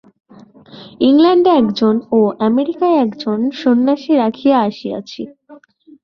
ইংলণ্ডে একজন ও আমেরিকায় একজন সন্ন্যাসী রাখিয়া আসিয়াছি।